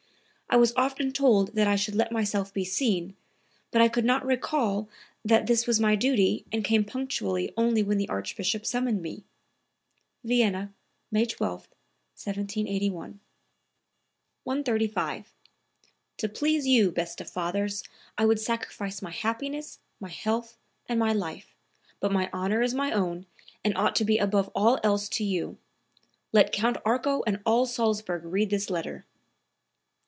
I was often told that I should let myself be seen, but I could not recall that this was my duty and came punctually only when the Archbishop summoned me." (Vienna, May 12, 1781.) 135. "To please you, best of fathers, I would sacrifice my happiness, my health and my life; but my honor is my own, and ought to be above all else to you. Let Count Arco and all Salzburg read this letter."